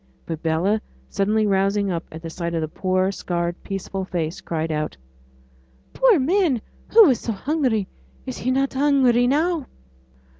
But Bella suddenly rousing up at the sight of the poor, scarred, peaceful face, cried out, 'Poor man who was so hungry. Is he not hungry now?'